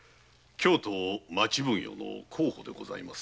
京都町奉行の候補でございます。